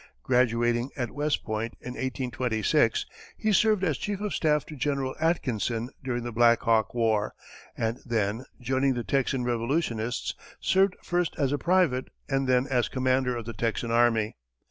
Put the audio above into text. Graduating at West Point in 1826, he served as chief of staff to General Atkinson during the Black Hawk war, and then, joining the Texan revolutionists, served first as a private and then as commander of the Texan army.